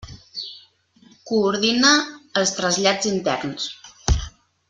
Coordina els trasllats interns.